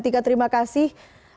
tiga terima kasih